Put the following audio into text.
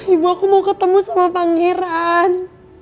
ibu aku mau ketemu sama pangeran